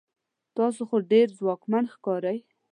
تاسو خو ډیر ځواکمن ښکارئ